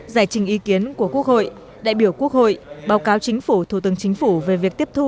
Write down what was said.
giải trình ý kiến của quốc hội đại biểu quốc hội báo cáo chính phủ thủ tướng chính phủ về việc tiếp thu